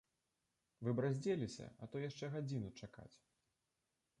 Вы б раздзеліся, а то яшчэ гадзіну чакаць.